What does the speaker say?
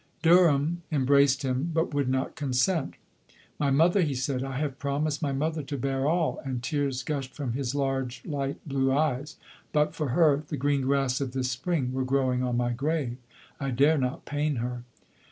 Derham embraced him, but would not con sent. " My mother," he said, " I have pro mised my mother to bear all ;" and tears gush ed from his large light blue eyes ;" but for her, the green grass of this spring were growing on my grave. I dare not pain her.